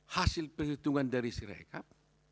hasil perhitungan dari sirekap